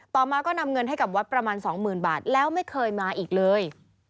ต่อมาก็นำเงินให้กับวัดประมาณสองหมื่นบาทแล้วไม่เคยมาอีกเลย